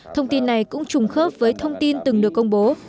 thông tin này cũng trùng khớp với thông tin từng được công bố